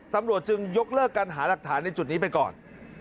ตำรวจจึงยกเลิกการหาหลักฐานในจุดนี้ไปก่อน